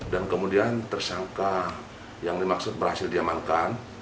dan kemudian tersangka yang dimaksud berhasil diamankan